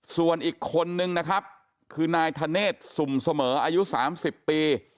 ส่วนอีกคนนึงนะครับคือนายธเนธสุ่มเสมออายุ๓๐ปี